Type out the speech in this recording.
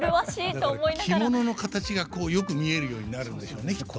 だから着物の形がこうよく見えるようになるんでしょうねきっと。